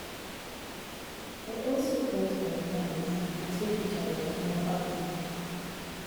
They also cultivate maize, and sweet potato among other things.